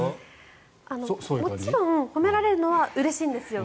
もちろん褒められるのはうれしいんですよ。